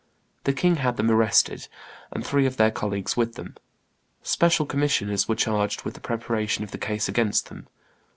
The king had them arrested, and three of their colleagues with them. Special commissioners were charged with the preparation of the case against them.